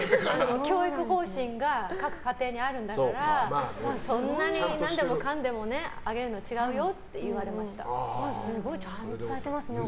教育方針が各家庭にあるんだからそんなに何でもかんでもあげるのはすごいちゃんとされてますねお母様。